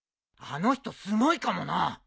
あの人すごいかもな。